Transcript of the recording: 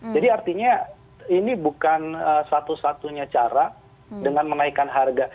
jadi artinya ini bukan satu satunya cara dengan menaikan harga